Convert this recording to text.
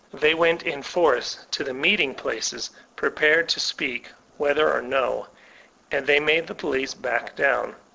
They went in force to the meeting places, pre pared to ^eak whether or*no ; and they made the police back down.